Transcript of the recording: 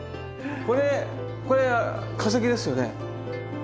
これこれは化石ですよね。